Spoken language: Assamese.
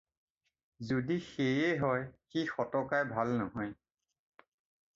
যদি সেয়ে হয়, সি সতকাই ভাল নহয়।